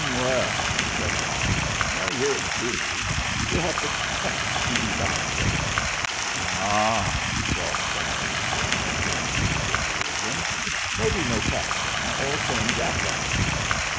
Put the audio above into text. "Mwell," said Long, "none of eer'll do. We'll hev to ketch E egante." "A h!" drawled Sarah the squaw, in musical derision. "Maybe no catch him. All same jack rabbit."